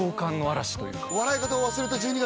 「笑い方を忘れた十二月」